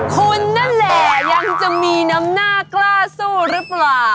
คุณนั่นแหละยังจะมีน้ำหน้ากล้าสู้หรือเปล่า